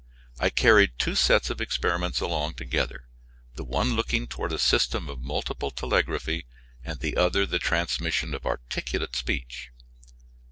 I carried two sets of experiments along together; the one looking toward a system of multiple telegraphy and the other the transmission of articulate speech.